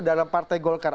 dalam partai golkar